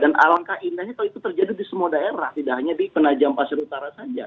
dan alangkah indahnya kalau itu terjadi di semua daerah tidak hanya di penajam pasir utara saja